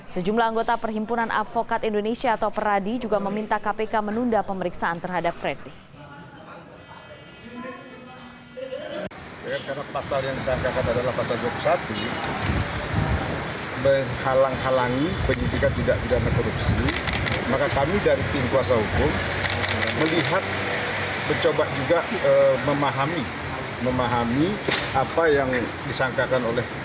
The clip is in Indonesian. sejumlah anggota perhimpunan avokat indonesia atau peradi juga meminta kpk menunda pemeriksaan terhadap fredrich